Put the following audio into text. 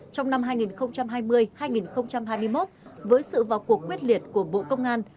trong năm hai nghìn hai mươi hai nghìn hai mươi một với sự vào cuộc quyết liệt của bộ công an